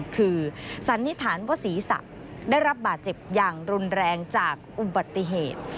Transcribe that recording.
คือสันนิษฐานว่าศีรษะได้รับบาดเจ็บอย่างรุนแรงจากอุบัติเหตุ